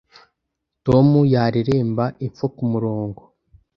Tom yareremba epfo kumurongo